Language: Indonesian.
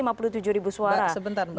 mbak sebentar mbak